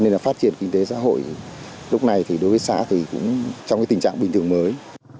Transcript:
nên là phát triển kinh tế xã hội lúc này thì đối với xã thì cũng trong cái tình trạng bình thường mới